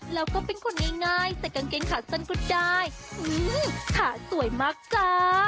แล้วก็เป็นคนง่ายใส่กางเกงขาสั้นก็ได้ขาสวยมากจ้า